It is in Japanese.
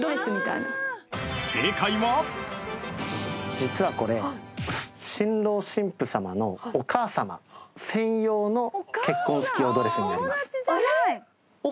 実はこれ新郎新婦さまのお母さま専用の結婚式用ドレスになります。